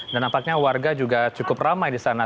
dan nampaknya warga juga cukup ramai di sana